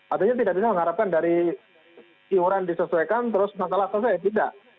artinya tidak bisa mengharapkan dari iuran disesuaikan terus masalah selesai tidak